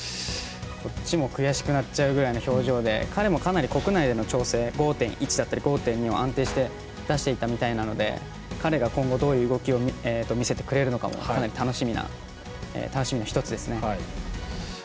こっちも悔しくなっちゃうぐらいの表情で彼も、かなり国内での調整５．２だったり５．１を安定して出していたのでどう見せてくれるのかもかなり楽しみの１つですね。